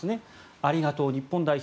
ありがとう！日本代表！